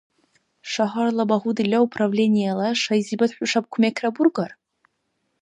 Шагьарла багьудила управлениела шайзибад хӀушаб кумекра бургар?